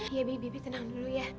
iya bibi tenang dulu ya